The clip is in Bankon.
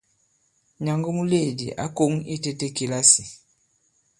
Nyàŋgo muleèdì ǎ koŋ itētē kìlasì.